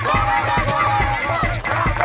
oke semangat semangat ya